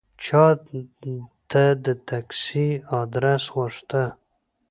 چا د تکسي آدرس غوښته.